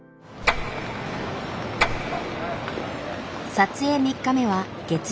撮影３日目は月曜日。